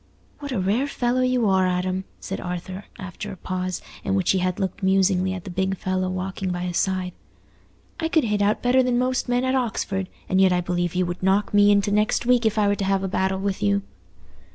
"What a rare fellow you are, Adam!" said Arthur, after a pause, in which he had looked musingly at the big fellow walking by his side. "I could hit out better than most men at Oxford, and yet I believe you would knock me into next week if I were to have a battle with you."